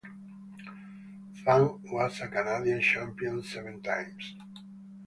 Fung was a Canadian Champion seven times.